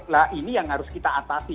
nah ini yang harus kita atasi